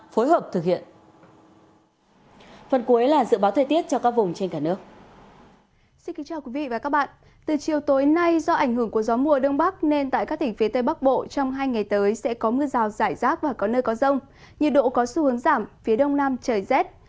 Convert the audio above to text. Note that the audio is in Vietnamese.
phía đông nam trời rét